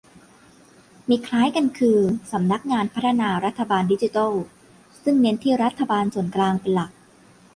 มีคล้ายกันคือ สำนักงานพัฒนารัฐบาลดิจิทัล ซึ่งเน้นที่รัฐบาลส่วนกลางเป็นหลัก